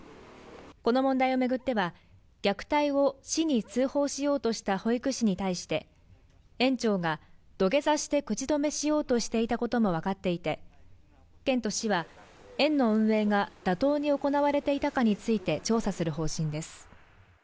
この問題をめぐっては虐待を市に通報しようとした保育士に対して園長が土下座して口止めしようとしていたこともわかっていて県と市は園の運営が妥当に行われていたかについて調査する方針です